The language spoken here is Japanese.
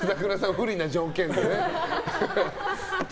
不利な条件でね。